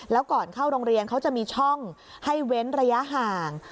แล้วก่อนเข้าโรงเรียนเขาจะมีช่องให้เว้นระยะห่าง